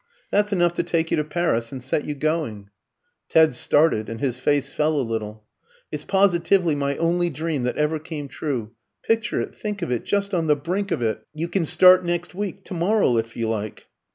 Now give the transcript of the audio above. "That's enough to take you to Paris and set you going." Ted started, and his face fell a little. "It's positively my only dream that ever came true. Picture it, think of it, just on the brink of it. You can start next week, to morrow if you like!"